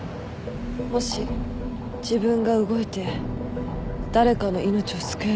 もし自分が動いて誰かの命を救えるなら。